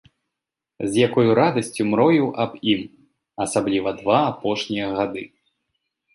З якою радасцю мроіў аб ім, асабліва два апошнія гады.